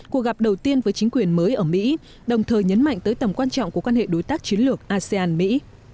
cuộc gặp đầu tiên với chính quyền mới ở mỹ đồng thời nhấn mạnh tới tầm quan trọng của quan hệ đối tác chiến lược asean mỹ